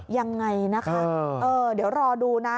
ยังไงนะคะเดี๋ยวรอดูนะ